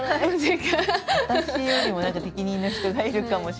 私よりも何か適任の人がいるかもしれない。